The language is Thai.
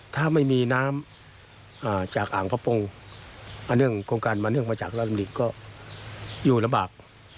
ถ้าไม่มีน้ำจากอ่างพระปงอันเนื่องโครงการมาเนื่องมาจากราชดำริก็อยู่ลำบาก